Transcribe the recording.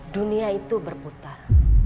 dunia itu berputar